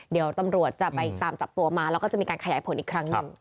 เดี๋ยวตำรวจจะไปตามจับตัวมาแล้วก็จะมีการขยายผลอีกครั้งหนึ่ง